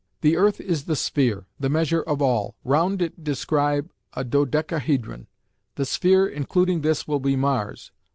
"The earth is the sphere, the measure of all; round it describe a dodecahedron; the sphere including this will be Mars.